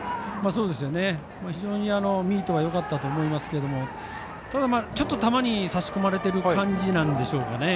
非常にミートはよかったと思いますがただ、ちょっと球に差し込まれている感じなんでしょうか。